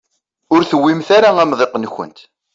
Ur tewwimt ara amḍiq-nkent.